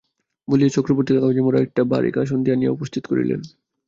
বলিয়া চক্রবর্তী কাগজে-মোড়া একটা ভাঁড়ে কাসুন্দি আনিয়া উপস্থিত করিলেন।